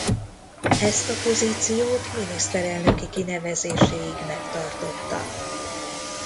Ezt a pozíciót miniszterelnöki kinevezéséig megtartotta.